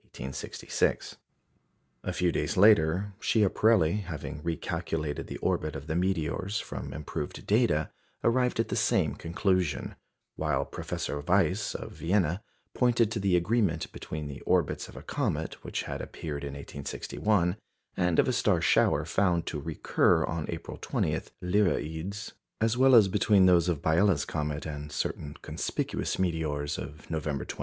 A few days later, Schiaparelli, having recalculated the orbit of the meteors from improved data, arrived at the same conclusion; while Professor Weiss of Vienna pointed to the agreement between the orbits of a comet which had appeared in 1861 and of a star shower found to recur on April 20 (Lyraïds), as well as between those of Biela's comet and certain conspicuous meteors of November 28.